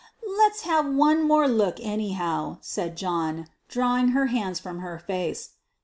"Let's have one more look anyhow," said John, drawing her hands from her face.